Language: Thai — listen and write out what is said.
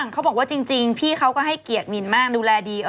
เขาบอกว่าจริงพี่เขาก็ให้เกียรติมินมากดูแลดี